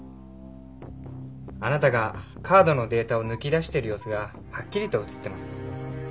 あなたがカードのデータを抜き出している様子がはっきりと映っています。